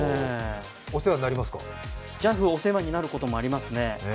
お世話になることもありますね。